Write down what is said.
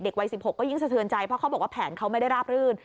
วัย๑๖ก็ยิ่งสะเทือนใจเพราะเขาบอกว่าแผนเขาไม่ได้ราบรื่น